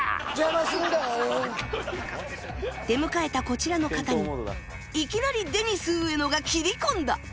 出迎えたこちらの方にいきなりデニス植野が切り込んだ